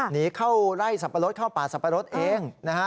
หนีเข้าไล่สับปะรดเข้าป่าสับปะรดเองนะฮะ